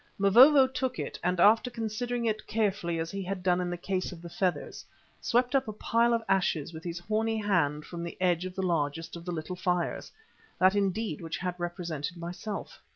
Mavovo took it, and after considering it carefully as he had done in the case of the feathers, swept up a pile of ashes with his horny hand from the edge of the largest of the little fires, that indeed which had represented myself.